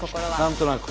何となく。